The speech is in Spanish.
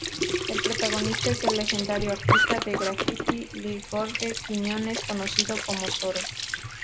El protagonista es el legendario artista de graffiti "Lee" George Quiñones conocido como "Zoro".